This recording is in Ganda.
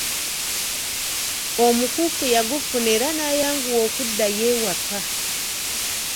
Omukuufu yagufuna era n'ayanguwa okuddayo ewaka.